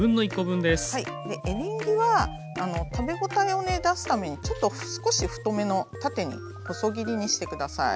エリンギは食べ応えを出すためにちょっと少し太めの縦に細切りにして下さい。